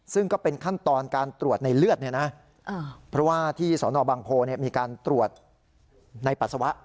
ซึ่งก็เป็นขั้นตอนการตรวจในเลือดเนี่ยนะเพราะว่าที่สนบางโพมีการตรวจในปัสสาวะ